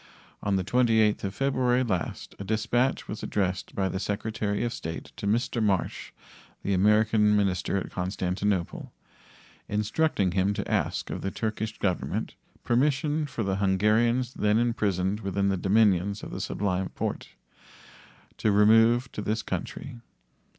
On the 28th of February last a dispatch was addressed by the Secretary of State to Mr. Marsh, the American minister at Constantinople, instructing him to ask of the Turkish Government permission for the Hungarians then imprisoned within the dominions of the Sublime Porte to remove to this country.